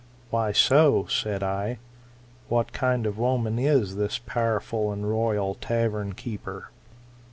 Why so ? said I. What kind of woman is this powerful and royal tavern keeper